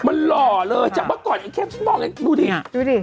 มันหล่อเลยจับเมื่อก่อนเข้มชนมองดูนี่